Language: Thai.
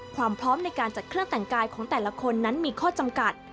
ความพร้อมในการจัดเครื่องแต่งกายของแต่ละคนนั้นมีข้อจำกัด